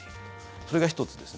それが１つですね。